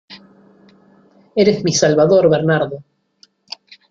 ¡Eres mi salvador, Bernardo!